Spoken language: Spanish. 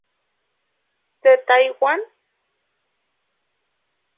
De Taiwán.